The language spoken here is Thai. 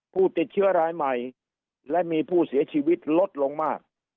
ผู้ติดเชื้อรายใหม่และมีผู้เสียชีวิตลดลงมาก